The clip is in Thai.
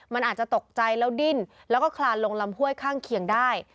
มันอาจจะตกใจแล้วดิ้นแล้วก็คลานลงลำห้วยข้างเคียงได้